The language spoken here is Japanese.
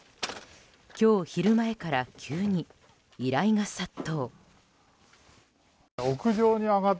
今日昼前から急に依頼が殺到。